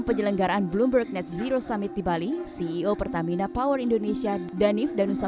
pertamina power indonesia